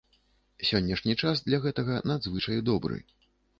Сённяшні час для гэтага надзвычай добры.